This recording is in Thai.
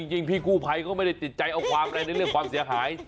จริงพี่กู้ภัยก็ไม่ได้ติดใจเอาความอะไรในเรื่องความเสียหาย